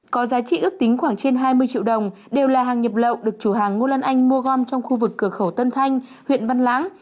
có giá trị ước tính khoảng trên hai mươi triệu đồng đều là hàng nhập lậu được chủ hàng ngô lan anh mua gom trong khu vực cửa khẩu tân thanh huyện văn lãng